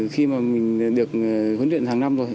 khi mà mình được huấn luyện hàng năm rồi